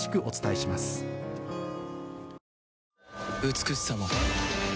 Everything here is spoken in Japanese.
美しさも